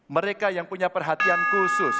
mereka yang punya perhatian khusus